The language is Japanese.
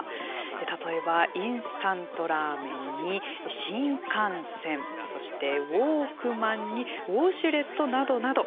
例えば、インスタントラーメンに新幹線、そしてウォークマンにウォシュレットなどなど。